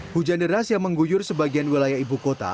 hujan deras yang mengguyur sebagian wilayah ibu kota